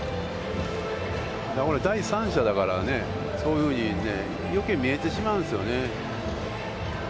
だからこれは第三者だから、そういうふうに余計見えてしまうんですよね。